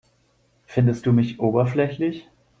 Findest du mich oberflächlich?